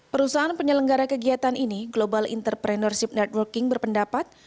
perusahaan penyelenggara kegiatan ini global entrepreneurship networking berpendapat